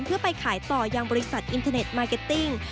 เพื่อไปขายต่อยังบริษัทอินเทอร์เน็ตมาร์เก็ตติ้ง